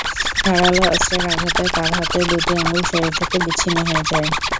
ধারালো অস্ত্রের আঘাতে তাঁর হাতের দুটি আঙুল শরীর থেকে বিচ্ছিন্ন হয়ে যায়।